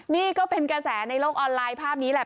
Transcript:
นี่ก็เป็นกระแสในโลกออนไลน์ภาพนี้แหละ